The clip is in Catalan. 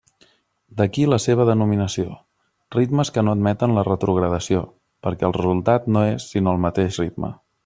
D'aquí la seva denominació: ritmes que no admeten la retrogradació, perquè el resultat no és sinó el mateix ritme.